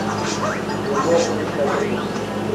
د اوبو خوندي ساتل مهم دی.